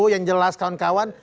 yang jelas kawan kawan